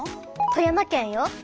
富山県よ。